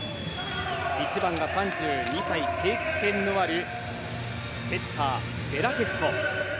１番が３２歳、経験のあるセッター、ベラスケト。